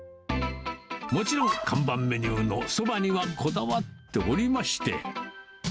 もちろん、看板メニューのそばにはこだわっておりまして。